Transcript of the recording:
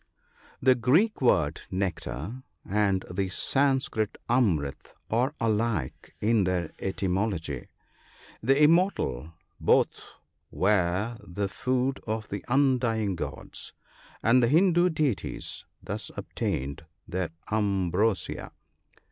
— The Greek word nectar, and the Sanskrit amrit, are alike in their etymology —" the immortal." Both were the food of the undying gods, ahd the Hindoo deities thus obtained their ambrosia.